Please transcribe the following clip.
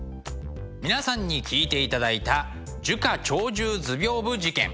皆さんに聴いていただいた「樹花鳥獣図屏風事件」。